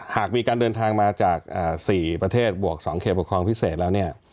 หากมีการเดินทางมาจาก๔ประเทศบวก๒เขตปกครองพิเศษแล้วเนี่ย